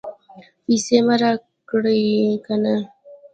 پیسې مې راکړې که نه؟